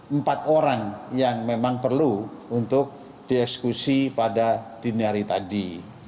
empat orang yang memang perlu untuk dieksekusi pada dini hari tadi